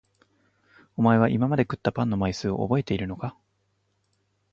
おまえは今まで食ったパンの枚数をおぼえているのか？